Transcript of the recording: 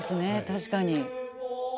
確かに。